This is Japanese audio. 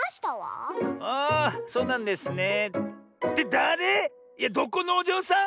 だれ⁉いやどこのおじょうさん？